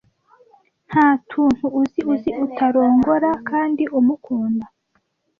ntatuntu uzi uzi utarongora kandi umukunda